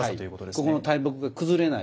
ここの大木が崩れない。